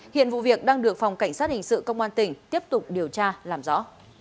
hiện vụ việc đang được phòng cảnh sát hình sự công an tỉnh tiếp tục điều tra làm rõ